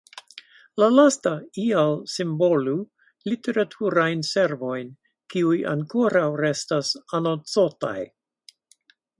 La lasta ial simbolu "literaturajn servojn", kiuj ankoraŭ restas "anoncotaj".